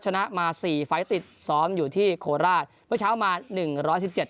ชนะมาสี่ไฟล์ติดซ้อมอยู่ที่โคราชเมื่อเช้ามาหนึ่งร้อยสิบเจ็ด